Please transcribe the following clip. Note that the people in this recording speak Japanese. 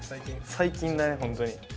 最近だね、本当に。